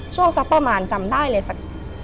สักประมาณจำได้เลยสัก